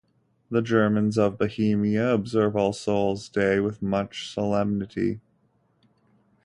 The Germans of Bohemia observe All Souls' Day with much solemnity.